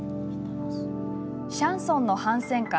シャンソンの反戦歌